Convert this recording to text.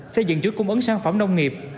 xây dựng chuỗi cung ứng sản phẩm nông nghiệp